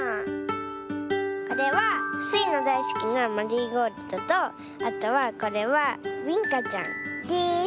これはスイのだいすきなマリーゴールドとあとはこれはビンカちゃんです。